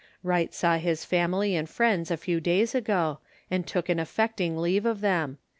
Wright saw his family and friends a few days ago, and took an affecting leave of them.